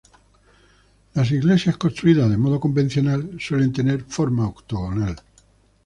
Las iglesias construidas de modo convencional suelen tener forma octogonal.